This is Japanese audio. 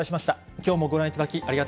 きょうもご覧いただき、ありがと